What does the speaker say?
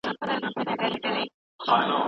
که ته غواړې نو زه به درته د مننې لار وښیم.